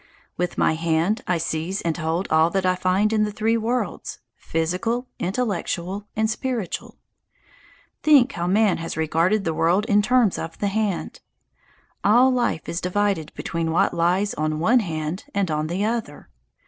With my hand I seize and hold all that I find in the three worlds physical, intellectual, and spiritual. Think how man has regarded the world in terms of the hand. All life is divided between what lies on one hand and on the other.